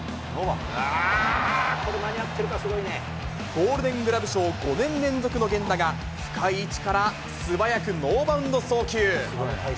ゴールデングラブ賞５年連続の源田が、深い位置から素早くノーバウンド送球。